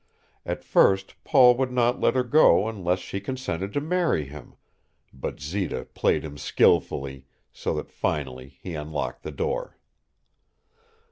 At first Paul would not let her go unless she consented to marry him, but Zita played him skilfully, so that finally he unlocked the door.